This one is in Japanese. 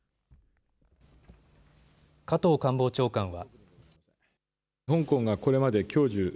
加藤官房長官は。